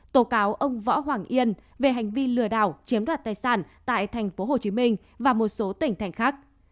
tố cáo ông võ hoàng yên về hành vi lừa đảo chiếm đoạt tài sản tại tp hcm và một số tỉnh thành khác